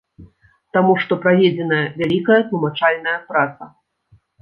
Таму што праведзеная вялікая тлумачальная праца.